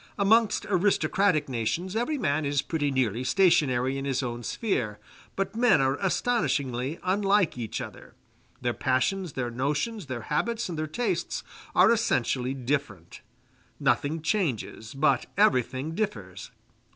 Amongst aristocratic nations every man is pretty nearly stationary in his own sphere; but men are astonishingly unlike each other their passions, their notions, their habits, and their tastes are essentially different: nothing changey, but everything differs.